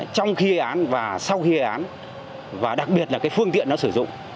trong khi gây án và sau khi gây án và đặc biệt là phương tiện nó sử dụng